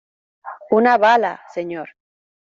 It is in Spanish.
una bala, señor.